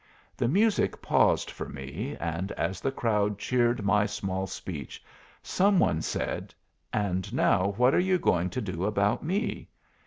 The music paused for me, and as the crowd cheered my small speech, some one said, "And now what are you going to do about me?"